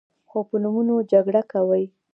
خو په نومونو جګړه کوي.